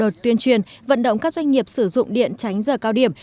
đợt tuyên truyền vận động các doanh nghiệp sử dụng điện tránh giờ cao điểm